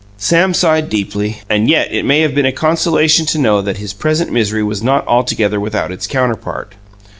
Sam sighed deeply, and yet it may have been a consolation to know that his present misery was not altogether without its counterpart.